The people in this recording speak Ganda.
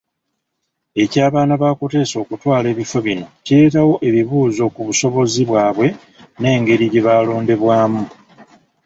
Eky'abaana ba Kuteesa okutwala ebifo bino kireetawo ebibuuzo ku busobozi bwabwe n'engeri gye balondebwamu.